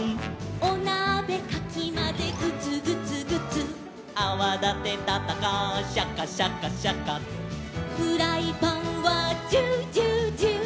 「おなべかきまぜグツグツグツ」「アワだてたったかシャカシャカシャカ」「フライパンはジュージュージュー」